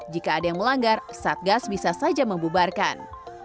jika ada yang melanggar satgas bisa saja membubarkan